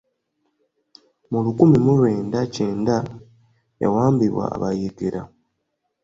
Mu lukumi mu lwenda kyenda, yawambibwa abayeekera.